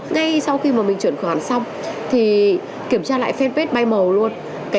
ngay sau khi mà mình chuyển khoản xong thì kiểm tra lại fanpage bay màu luôn